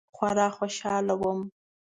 خورا خوشحاله وم.